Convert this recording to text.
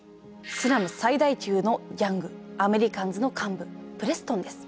スラム最大級のギャングアメリカンズの幹部プレストンです。